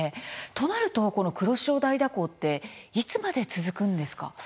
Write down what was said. となると、この黒潮大蛇行っていつまで続くんですか？